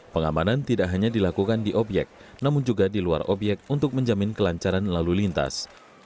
pengamanan tidak hanya dilakukan di obyek namun juga di luar obyek untuk menjamin kelancaran lalu lintas